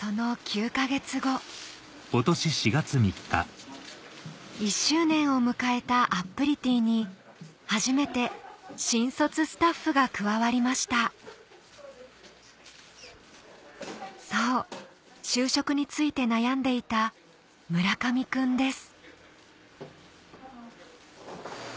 その９か月後１周年を迎えたあっぷりてぃに初めて新卒スタッフが加わりましたそう就職について悩んでいた村上君です